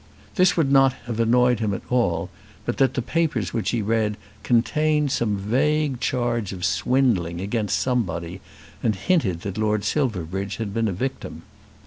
This would not have annoyed him at all, but that the papers which he read contained some vague charge of swindling against somebody, and hinted that Lord Silverbridge had been a victim.